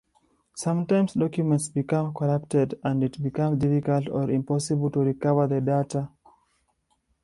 Sometimes documents become corrupted and it becomes difficult or impossible to recover the data.